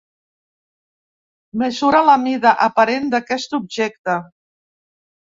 Mesura la mida aparent d'aquest objecte.